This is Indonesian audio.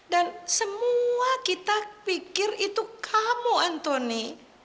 dan semua kita pikir itu kamu antoni